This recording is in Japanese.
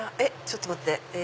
ちょっと待って。